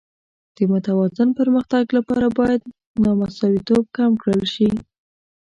د متوازن پرمختګ لپاره باید نامساواتوب کم کړل شي.